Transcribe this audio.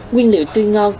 nguyên liệu tươi ngon